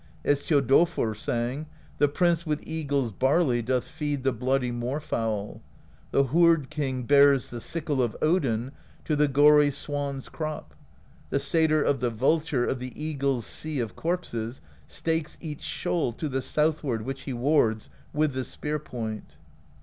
As Thjodolfr sang: The Prince with Eagle's Barley Doth feed the bloody moor fowl: The Hord King bears the sickle Of Odin to the gory Swan's crop; The Sater of the Vulture Of the Eagle's Sea of corpses Stakes each shoal to the southward Which he wards, with the spear point.